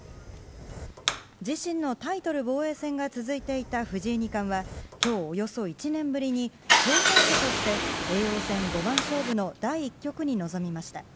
自身のタイトル防衛戦が続いていた藤井二冠は今日、およそ１年ぶりに挑戦者として叡王戦五番勝負の第１局に臨みました。